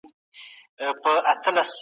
سرچینه او لارښود پاتي سوی دی.